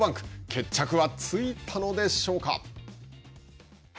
決着はついたのでしょうか。